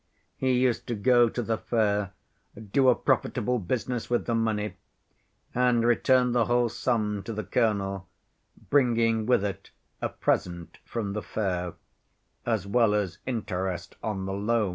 He used to go to the fair, do a profitable business with the money, and return the whole sum to the colonel, bringing with it a present from the fair, as well as interest on the loan.